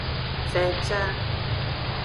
Fenca.